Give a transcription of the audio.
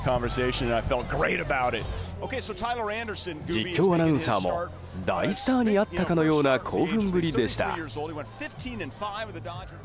実況アナウンサーも大スターに会ったかのような興奮ぶりでした。